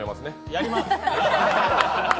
やります！